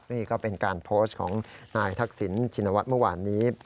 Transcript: นี่ก็เป็นการโพสต์ของนายทักษิณชินวัฒน์เมื่อวานนี้